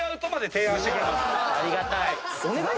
ありがたい。